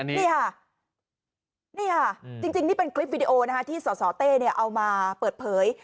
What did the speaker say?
นี่ค่ะนี่ค่ะจริงนี่เป็นคลิปวิดีโอที่สสเต้เอามาเปิดเผย